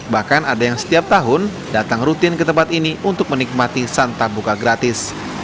bahkan ada yang setiap tahun datang rutin ke tempat ini untuk menikmati santap buka gratis